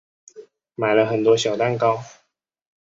买了很多小蛋糕